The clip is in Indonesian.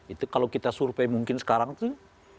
itu kalau kita survei mungkin sekarang tuh